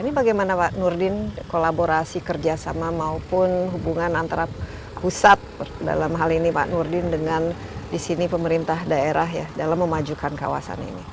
ini bagaimana pak nurdin kolaborasi kerjasama maupun hubungan antara pusat dalam hal ini pak nurdin dengan di sini pemerintah daerah ya dalam memajukan kawasan ini